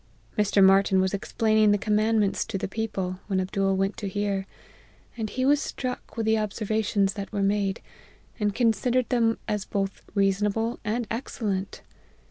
Mr. Martyn was explaining the commandments to the people, when Abdool went to hear; and he was struck with the observations that were made, and consid ered them as both reasonable and excellent.